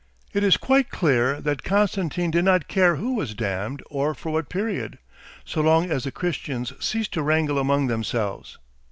It is quite clear that Constantine did not care who was damned or for what period, so long as the Christians ceased to wrangle among themselves.